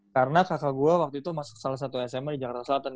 karena kakak gue waktu itu masuk salah satu sma di jakarta selatan